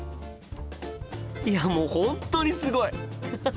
いやもう本当にすごい！ハハハ！